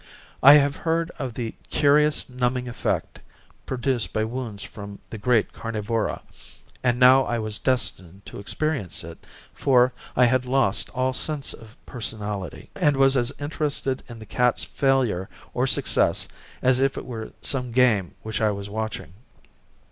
I have heard of the curious numbing effect produced by wounds from the great carnivora, and now I was destined to experience it, for I had lost all sense of personality, and was as interested in the cat's failure or success as if it were some game which I was watching.